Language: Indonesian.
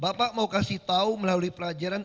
bapak mau kasih tahu melalui pelajaran